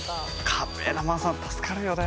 カメラマンさん助かるよね。